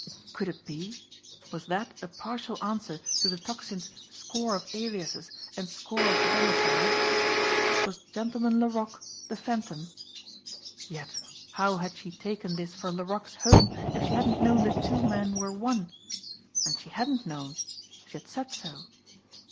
Could it be? Was that a partial answer to the Tocsin's "score of aliases and score of domiciles"? Was Gentleman Laroque the Phantom? Yet how had she taken this for Laroque's home if she hadn't known the two men were one? And she hadn't known. She had said so.